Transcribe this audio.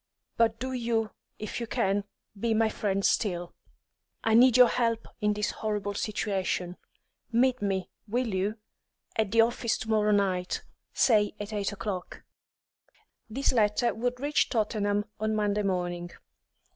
But do you, if you can, be my friend still. I need your help in this horrible situation. Meet me will you? at the office to morrow night, say at eight o'clock." This letter would reach Tottenham on Monday morning.